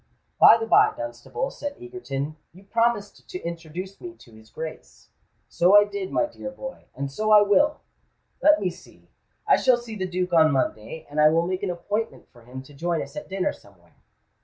"By the by, Dunstable," said Egerton, "you promised to introduce me to his Grace." "So I did, my dear boy—and so I will. Let me see—I shall see the Duke on Monday, and I will make an appointment for him to join us at dinner somewhere."